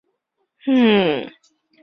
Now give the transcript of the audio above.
其他乘客仅受皮外伤。